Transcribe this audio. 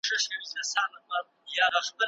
آیا ته چمتو یی چې مسؤلیت ومنې؟